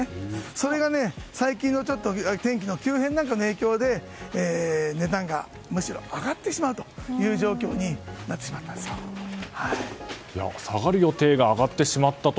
それが最近の天気の急変なんかの影響で値段がむしろ上がってしまうという状況に下がる予定が上がってしまったと。